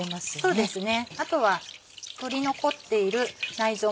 そうですね。